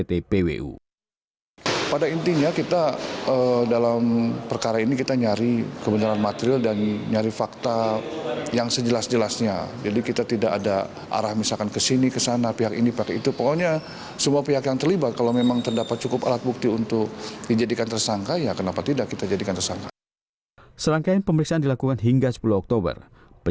hakim menyatakan bahwa dahlan bersalah karena tidak melaksanakan tugas dan fungsinya secara benar saat menjabat direktur utama pt pancawira usaha sehingga aset yang terjual di bawah njop